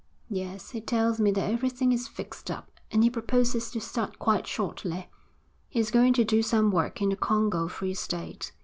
'Yes, he tells me that everything is fixed up, and he proposes to start quite shortly. He's going to do some work in the Congo Free State.